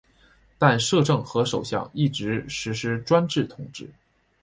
但摄政和首相一直施行专制统治。